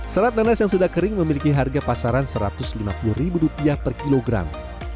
serat nanas yang sudah kering memiliki harga pasaran rp satu ratus lima puluh per kilogram